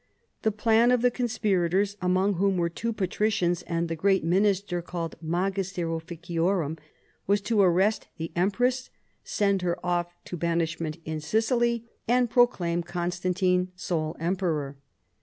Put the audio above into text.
The plan of the conspirators (among whom were two patricians and the great minister called magister ojjicioini'm), was to arrest the empress, send her off to banishment in Sicily, and pro claim Constantine sole emperor.